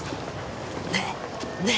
ねえねえ！